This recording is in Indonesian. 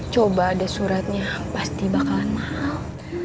coba ada suratnya pasti bakal mahal